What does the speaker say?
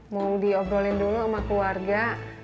mau diobrolin dulu sama keluarga